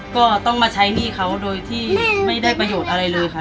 ก็ต้องมาใช้หนี้เขาโดยที่ไม่ได้ประโยชน์อะไรเลยค่ะ